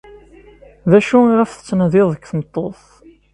D acu iɣef tettnadiḍ deg tmeṭṭut?